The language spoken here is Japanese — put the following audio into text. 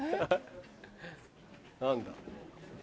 何だ？